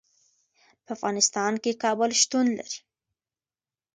په افغانستان کې کابل شتون لري.